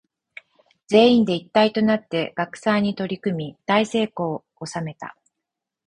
全員で一体となって学祭に取り組み大成功を収めた。